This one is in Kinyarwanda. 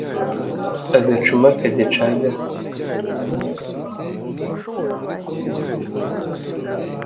agacuma kagicagase